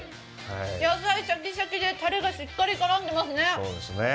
野菜シャキシャキでたれがしっかり絡んでますね。